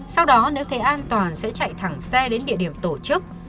sau đó nếu thấy an toàn sẽ chạy thẳng xe đến địa điểm tổ chức